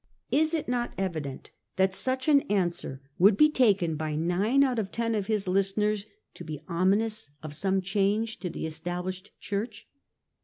Is it not evident that such an answer would be taken by nine out of ten of his .listeners to be ominous of some change to the Esta blished Church?